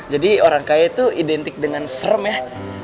jadi orang kaya itu identik dengan serem ya